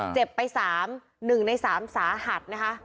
เจ็บไป๓หนึ่งใน๓สาหัตต์